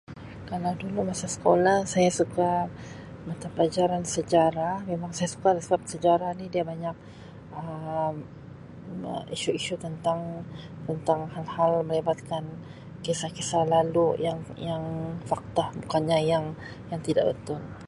Kalau dulu masa sekolah saya suka mata pelajaran sejarah memang saya suka lah sebab sejarah ni dia banyak Um isu-isu tentang-tentang hal-hal melibatkan kisah-kisah lalu yang-yang fakta bukannya yang-yang tidak betul.